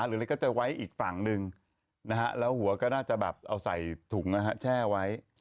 เล็กก็จะไว้อีกฝั่งหนึ่งแล้วหัวก็น่าจะแบบเอาใส่ถุงแช่ไว้